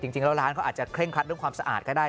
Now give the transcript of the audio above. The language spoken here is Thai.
จริงแล้วร้านเขาอาจจะเคร่งครัดเรื่องความสะอาดก็ได้